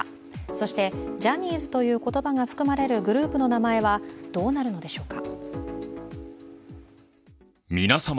そして、ジャニーズという言葉が含まれるグループの名前はどうなるのでしょうか。